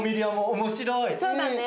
そうだね。